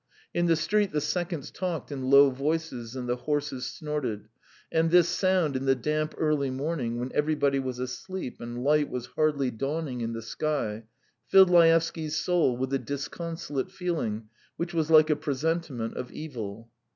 In the street the seconds talked in low voices and the horses snorted, and this sound in the damp, early morning, when everybody was asleep and light was hardly dawning in the sky, filled Laevsky's soul with a disconsolate feeling which was like a presentiment of evil.